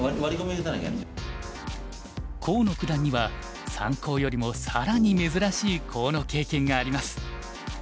河野九段には三コウよりも更に珍しいコウの経験があります。